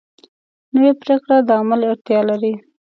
نوې پریکړه د عمل اړتیا لري